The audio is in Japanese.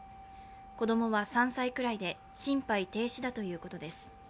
子供は３歳ぐらいで心肺停止だということです。